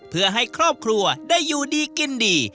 เพื่อให้ครอบครัวได้อยู่ดีกินดี